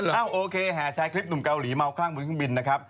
โอเคแห่แชร์คลิปหนุ่มเกาหลีเมาคลั่งบนเครื่องบินนะครับ